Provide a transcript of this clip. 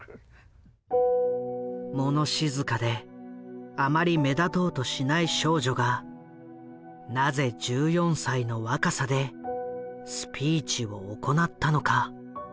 物静かであまり目立とうとしない少女がなぜ１４歳の若さでスピーチを行ったのか。